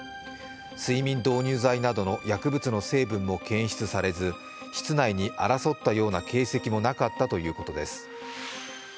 睡眠導入剤などの薬物の成分も検出されず室内に争ったような形跡もなかったということです。